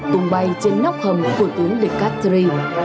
tung bay trên nóc hầm của tướng descartes